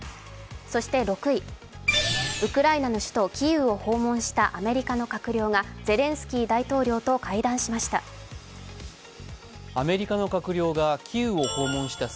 そして６位、ウクライナの首都キーウを訪問したアメリカの閣僚がゼレンスキー大統領と会談しました。